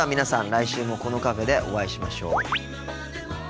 来週もこのカフェでお会いしましょう。